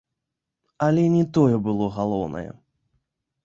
Але не тое было галоўнае.